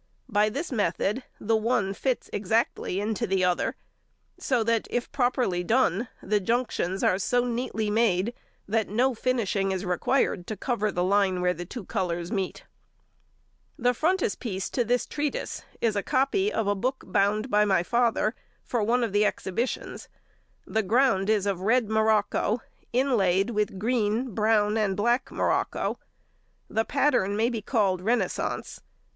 By this method the one fits exactly into the other, so that, if properly done, the junctions are so neatly made that no finishing is required to cover the line where the two colours meet. The frontispiece to this treatise is a copy of a book bound by my father for one of the Exhibitions. The ground is of red morocco, inlaid with green, brown, and black morocco. The pattern may be called "Renaissance."